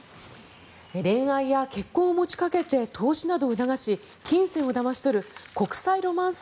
恋愛や結婚を持ちかけて投資などを促し金銭をだまし取る国際ロマンス